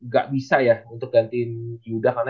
gak bisa ya untuk gantiin yudha